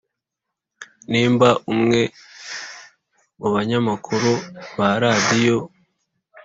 nibwo umwe mu banyamakuru ba radiyo